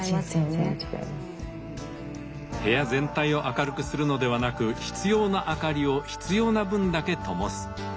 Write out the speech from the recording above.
部屋全体を明るくするのではなく必要なあかりを必要な分だけともす。